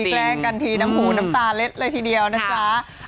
แกล้งกันทีน้ำหูน้ำตาเล็ดเลยทีเดียวนะจ๊ะ